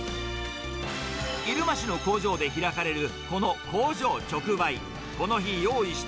入間市の工場で開かれる、この工場直売。